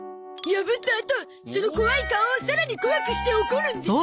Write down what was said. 破ったあとその怖い顔をさらに怖くして怒るんでしょ？